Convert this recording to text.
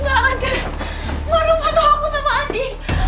gak ada nggak ada patuh aku sama andi